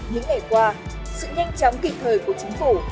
những ngày qua sự nhanh chóng kịp thời của chính phủ